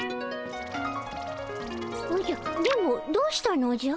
おじゃ電ボどうしたのじゃ？